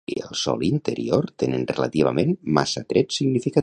Les parets internes i el sòl interior tenen relativament massa trets significatius.